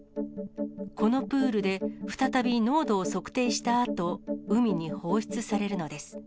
このプールで再び濃度を測定したあと、海に放出されるのです。